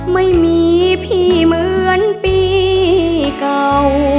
ไม่มีพี่เหมือนปีเก่า